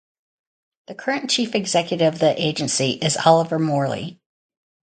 The current Chief Executive of the agency is Oliver Morley.